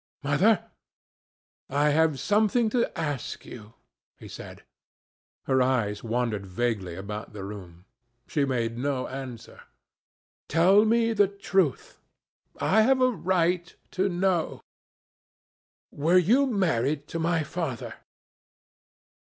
"Mother, I have something to ask you," he said. Her eyes wandered vaguely about the room. She made no answer. "Tell me the truth. I have a right to know. Were you married to my father?"